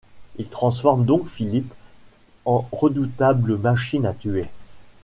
Il transforme donc Philip en redoutable machine à tuer.